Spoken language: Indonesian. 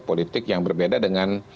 politik yang berbeda dengan